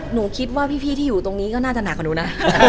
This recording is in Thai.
หนูคิดว่าพี่ที่อยู่ตรงนี้ก็น่าจะหนักกว่าหนูนะ